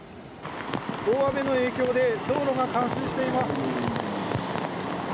大雨の影響で道路が冠水しています。